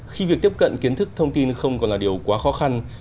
khi việc tiếp cận kiến thức thông tin không còn là điều quá khó khăn